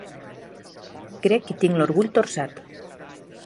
Crec que tinc l'orgull torçat.